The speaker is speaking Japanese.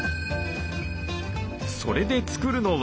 それで作るのは。